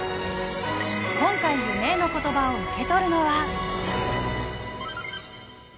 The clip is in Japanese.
今回夢への言葉を受け取るのは。